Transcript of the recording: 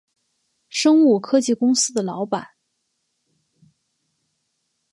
生物科技公司的老板